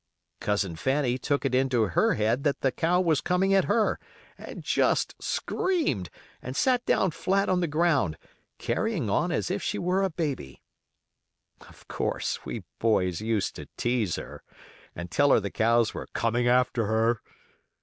Cousin Fanny took it into her head that the cow was coming at her, and just screamed, and sat down flat on the ground, carrying on as if she were a baby. Of course, we boys used to tease her, and tell her the cows were coming after her.